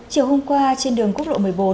chiều hôm qua trên đường quốc lộ một mươi bốn